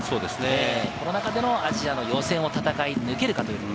その中でのアジアの予選を戦い抜けるか。